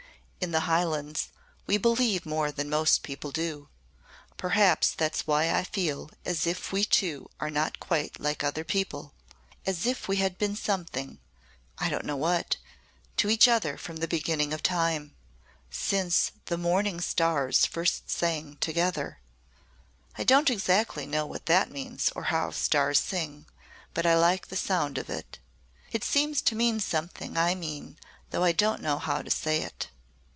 "In the Highlands we believe more than most people do. Perhaps that's why I feel as if we two are not quite like other people, as if we had been something I don't know what to each other from the beginning of time since the 'morning stars first sang together.' I don't know exactly what that means, or how stars sing but I like the sound of it. It seems to mean something I mean though I don't know how to say it."